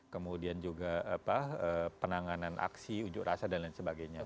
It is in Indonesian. kemudian juga penanganan aksi ujuk rasa dan lain sebagainya